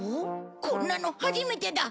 こんなの初めてだ。